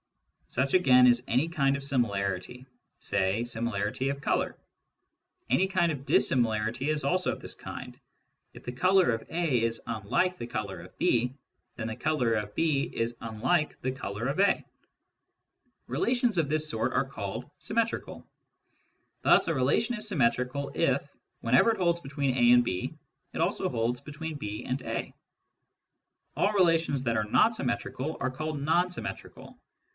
Such again kind of similarity, say similarity of colour. Any k dissimilarity is also of this kind : if the colour oj unlike the colour of B, then the colour of B is the colour of A. Relations of this sort are callei metrical. Thus a relation is symmetrical if, when holds between A and B, it also holds between B anc All relations that are not symmetrical are calle symmetrical.